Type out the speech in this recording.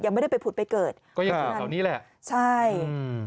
ยังไม่ได้ไปผูดไปเกิดก็อย่างนี้แหละใช่อืม